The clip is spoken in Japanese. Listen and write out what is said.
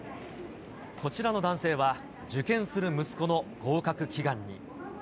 こちらの男性は、受験する息子の合格祈願に。